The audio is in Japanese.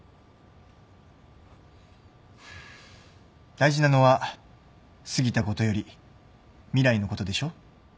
大事なのは過ぎたことより未来のことでしょ？